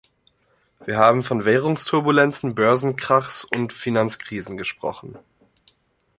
Wir haben von Währungstubulenzen, Börsenkrachs und Finanzkrisen gesprochen.